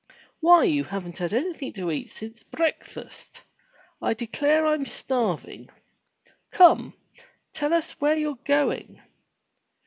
"Why you haven't had anything to eat since break fast ! I declare Fm starving. Come, tell us where youVe going.'